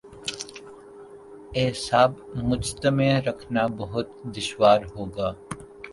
اعصاب مجتمع رکھنا بہت دشوار ہو گا۔